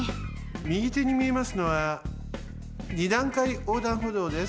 みぎてにみえますのは二段階横断歩道です。